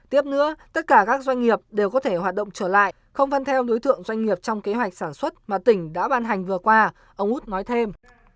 tiếp nữa tất cả các doanh nghiệp đều có thể hoạt động trở lại không văn theo đối tượng doanh nghiệp trong kế hoạch sản xuất mà tỉnh đã ban hành vừa qua ống hút nói thêm